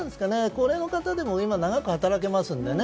高齢の方でも、長く働けますんでね。